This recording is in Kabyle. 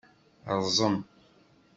Rrzem